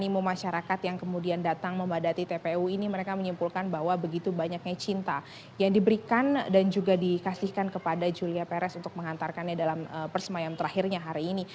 dan juga animo masyarakat yang kemudian datang membadati tpu ini mereka menyimpulkan bahwa begitu banyaknya cinta yang diberikan dan juga dikasihkan kepada julia perez untuk mengantarkannya dalam persemayam terakhirnya hari ini